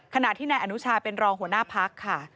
ขณะที่นายอนุชาเป็นรองหัวหน้าพักค่ะ